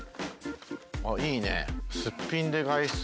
あっいいね。